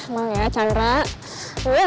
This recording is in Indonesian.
masukin dia pak